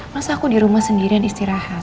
masa aku di rumah sendirian istirahat